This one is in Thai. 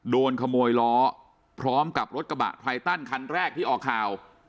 โดนขโมยล้อพร้อมกับรถกระบะไทตันคันแรกที่ออกข่าว